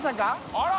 あら？